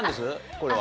これは。